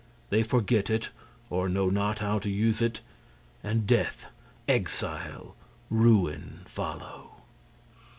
They forget it or know not how to use it; and death, exile, ruin follow.